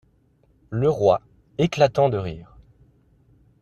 Le Roi, éclatant de rire.